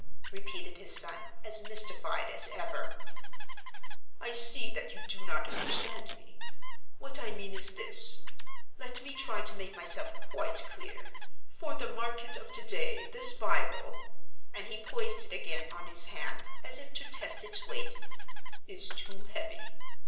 repeated his son, as mystified as ever. "I see that you do not understand me. What I mean is this. Let me try to make myself quite clear. For the market of today this Bible" and he poised it again on his hand, as if to test its weight, "is too heavy.